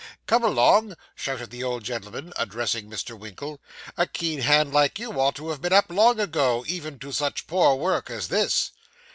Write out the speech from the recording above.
'Come along,' shouted the old gentleman, addressing Mr. Winkle; 'a keen hand like you ought to have been up long ago, even to such poor work as this.